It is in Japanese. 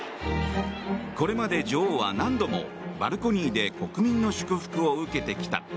これまで女王は何度も国民の祝福を受けてきた。